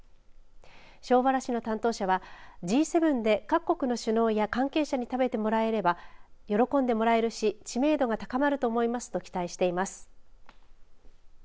庄原市の担当者はＧ７で各国の首脳や関係者に食べてもらえれば喜んでもらえるし知名度が高まると思いますと期待しています。